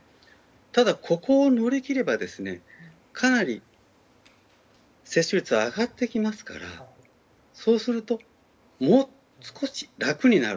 ただ、ここを乗り切ればかなり接種率は上がってきますからそうするともう少し楽になる。